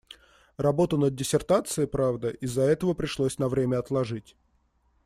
Работу над диссертацией, правда, из‑за этого пришлось на время отложить.